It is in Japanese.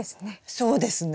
そうですね。